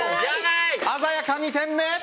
鮮やか２点目！